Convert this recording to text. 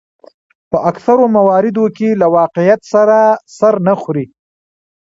په اکثرو مواردو کې له واقعیت سره سر نه خوري.